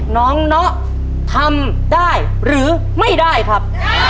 น้องเนาะทำได้หรือไม่ได้ครับ